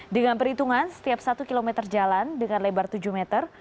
dengan perhitungan setiap satu km jalan dengan lebar tujuh meter